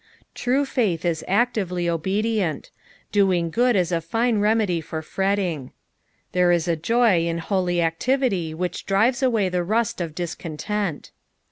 "' True faith is actively obedient. Doing good is a fine remedy for fretting. There is a joy in holy activity wliicli drives away the rust of discontent.